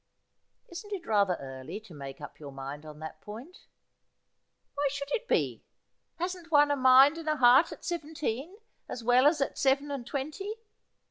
' Isn't it rather early to make up your mind on that point ?'' Why should it be ? Hasn't one a mind and a heart at seven .teen as well as at seven and twenty